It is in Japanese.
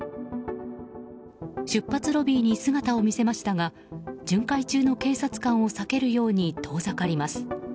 出発ロビーに姿を見せましたが巡回中の警察官を避けるように遠ざかります。